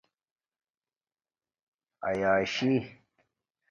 ایاشی